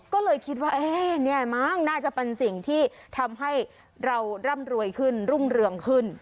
ก็เลยคิดว่าเอ๊ะเนี่ยมั้งน่าจะเป็นสิ่งที่ทำให้เราร่ำรวยขึ้นรุ่งเรืองขึ้น